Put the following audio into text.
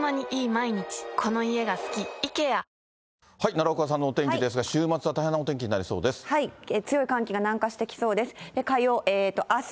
奈良岡さんのお天気ですが、週末は大変なお天気になりそうです。